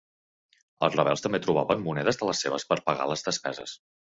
Els rebels també trobaven monedes de les seves per pagar les despeses.